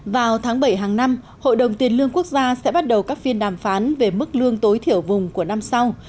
vào tháng bảy hàng năm hội đồng tiền lương quốc gia sẽ bắt đầu các phiên đàm phán về mức lương tối thiểu vùng của năm sau